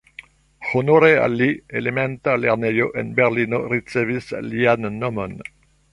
Honore al li, elementa lernejo en Berlino ricevis lian nomon.